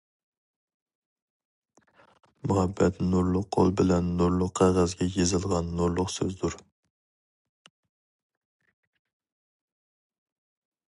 مۇھەببەت-نۇرلۇق قول بىلەن نۇرلۇق قەغەزگە يېزىلغان نۇرلۇق سۆزدۇر.